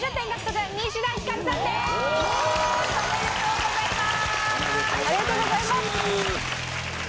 ありがとうございます！